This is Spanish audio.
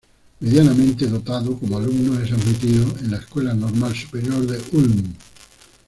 Medianamente dotado como alumno, es admitido en la Escuela Normal Superior de Ulm.